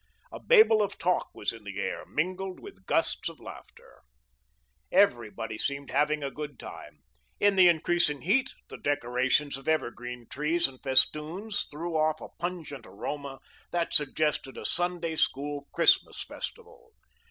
A babel of talk was in the air, mingled with gusts of laughter. Everybody seemed having a good time. In the increasing heat the decorations of evergreen trees and festoons threw off a pungent aroma that suggested a Sunday school Christmas festival.